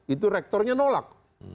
itu rektornya nolak